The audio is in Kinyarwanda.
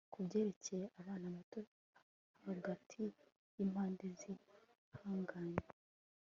kubyerekeye abana bato hagati yimpande zihanganye